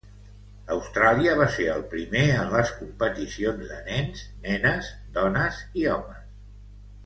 Austràlia va ser el primer en les competicions de nens, nenes, dones i homes.